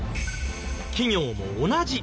企業も同じ。